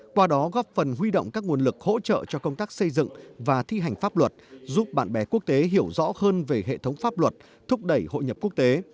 qua đó góp phần huy động các nguồn lực hỗ trợ cho công tác xây dựng và thi hành pháp luật giúp bạn bè quốc tế hiểu rõ hơn về hệ thống pháp luật thúc đẩy hội nhập quốc tế